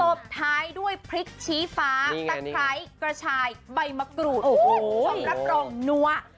บท้ายด้วยพริกชี้ฟ้าตะไคร้กระชายใบมะกรูดโอ้โหคุณผู้ชมรับรองนัว